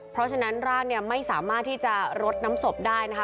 เพราะฉะนั้นรากไม่สามารถที่จะรดน้ำสบได้นะคะ